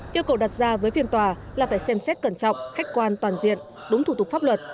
yêu cầu đặt ra với phiên tòa là phải xem xét cẩn trọng khách quan toàn diện đúng thủ tục pháp luật